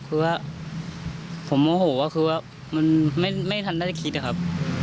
คือว่าผมโมโหก็คือว่ามันไม่ทันน่าจะคิดนะครับ